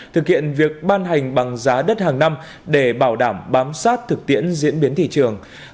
thực hiện việc ban hành bằng giá đất hàng năm để bảo đảm bám sát thực tiễn diễn biến thị trường